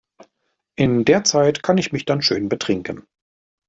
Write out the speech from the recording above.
In der Zeit kann ich mich dann schön betrinken.